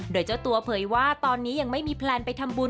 โดยเจ้าตัวเผยว่าตอนนี้ยังไม่มีแพลนไปทำบุญ